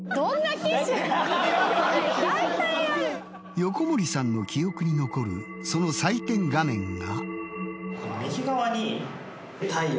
横森さんの記憶に残るその採点画面が。